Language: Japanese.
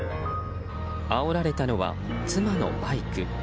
あおられたのは妻のバイク。